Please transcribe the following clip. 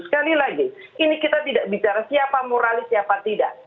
sekali lagi ini kita tidak bicara siapa moralis siapa tidak